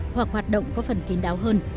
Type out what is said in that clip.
hoặc hoạt động có phần kín đáo hơn